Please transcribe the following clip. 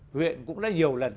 huyện cũng đã nhiều lần